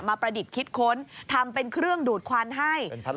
ประดิษฐ์คิดค้นทำเป็นเครื่องดูดควันให้